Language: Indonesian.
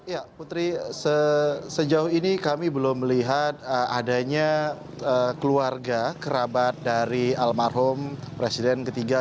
ya putri sejauh ini kami belum melihat adanya keluarga kerabat dari almarhum presiden ketiga